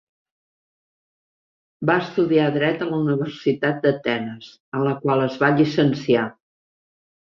Va estudiar dret a la Universitat d'Atenes, en la qual es va llicenciar.